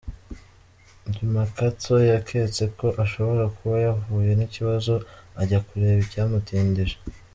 Dimakatso yaketse ko ashobora kuba yahuye n’ikibazo, ajya kureba icyamutindije .